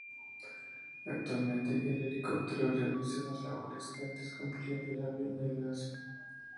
Actualmente, el helicóptero realiza las labores que antes cumplía el avión de enlace.